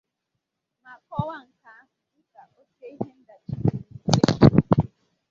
ma kọwaa nke ahụ dịka óké ihe ọdachi dị mwute.